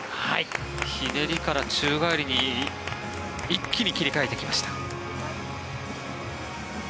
ひねりから宙返りに一気に切り替えてきました。